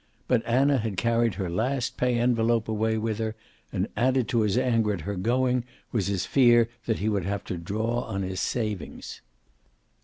But Anna had carried her last pay envelope away with her, and added to his anger at her going was his fear that he would have to draw on his savings.